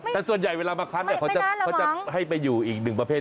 แต่ส่วนใหญ่เวลามาคัดเขาจะให้ไปอยู่อีกหนึ่งประเภท